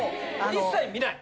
一切見ない。